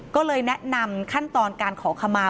ก็เลยแนะนำขั้นตอนการขอขมา